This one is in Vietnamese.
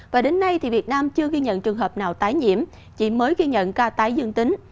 và đến nay thì việt nam chưa ghi nhận trường hợp nào tái nhiễm chỉ mới ghi nhận ca tái dương tính